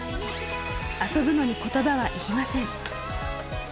遊ぶのにことばはいりません。